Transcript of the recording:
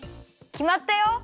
きまったよ。